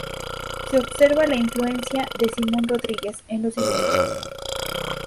Se observa la influencia de Simón Rodríguez en los cilindros.